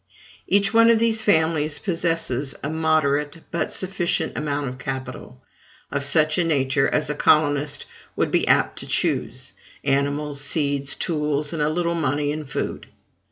Each one of these families possesses a moderate but sufficient amount of capital, of such a nature as a colonist would be apt to choose, animals, seeds, tools, and a little money and food.